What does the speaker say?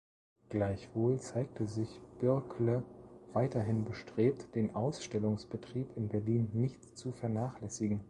Gleichwohl zeigte sich Birkle weiterhin bestrebt, den Ausstellungsbetrieb in Berlin nicht zu vernachlässigen.